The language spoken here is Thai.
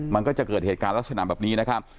มันก็จะเกิดเหตุการณ์ลักษณะแบบนี้นะครับ